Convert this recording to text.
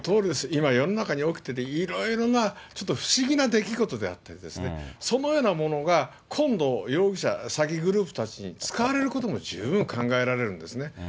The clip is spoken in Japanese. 今、世の中に起きてるいろいろなちょっと不思議な出来事であってですね、そのようなものが今度、容疑者、詐欺グループたちに使われることも十分考えられるんですね。